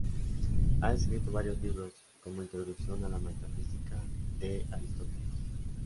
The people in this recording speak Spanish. Ha escrito varios libros, como "Introducción a la metafísica de Aristóteles.